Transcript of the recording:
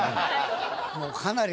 もうかなり。